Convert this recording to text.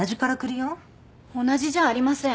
同じじゃありません。